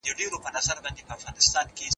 ته باید له خوبه مخکې څراغ مړ کړې.